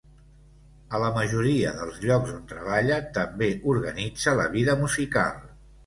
A la majoria dels llocs on treballa, també organitza la vida musical.